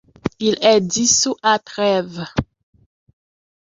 Il est dissous à Trèves.